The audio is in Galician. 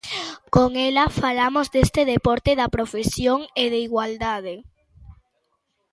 Con ela falamos deste deporte, da profesión e de igualdade.